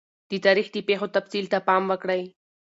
د تاریخ د پیښو تفصیل ته پام وکړئ.